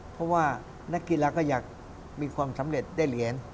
เพราะว่านักกีฬาก็อยากมีความสำเร็จได้เหรียญ